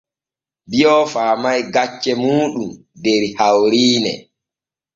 Bio faamay gaccee muuɗum der hawriine.